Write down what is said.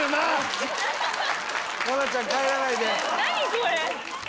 これ。